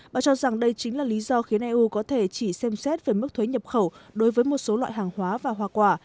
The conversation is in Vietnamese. bà cho rằng đây chính là lý do khiến eu có thể chỉ xem xét về mức thuế nhập khẩu đối với một số loại hàng hóa và hoa quả